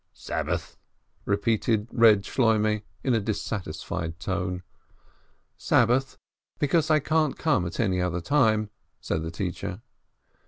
"Sabbath?" repeated Reb Shloimeh in a dissatisfied tone. "Sabbath, because I can't come at any other time," said the teacher.